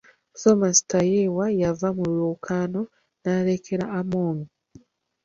Thomas Tayebwa yava mu lwokaano n’alekera Among.